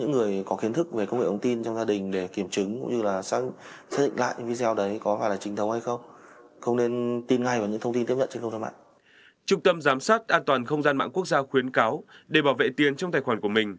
trung tâm giám sát an toàn không gian mạng quốc gia khuyến cáo để bảo vệ tiền trong tài khoản của mình